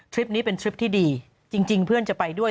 คลิปนี้เป็นทริปที่ดีจริงเพื่อนจะไปด้วย